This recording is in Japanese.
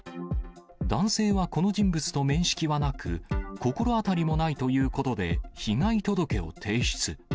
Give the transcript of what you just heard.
男性はこの人物と面識はなく、心当たりもないということで、被害届を提出。